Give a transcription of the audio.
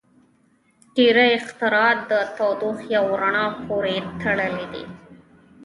• ډېری اختراعات د تودوخې او رڼا پورې تړلي دي.